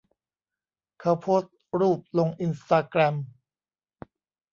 เขาโพสต์รูปลงอินสตาแกรม